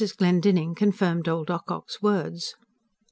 Glendinning confirmed old Ocock's words.